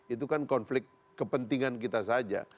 itu kan konflik kepentingan kita saja